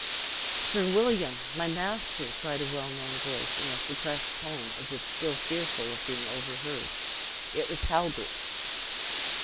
"Sir William! my master!" cried a well known voice, in a suppressed tone, as if still fearful of being overheard. It was Halbert's.